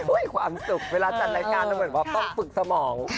อุ๊ยความสุขเวลาจัดรายการเหมือนว่าต้องฝึกสมอง